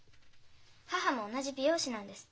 母も同じ美容師なんです。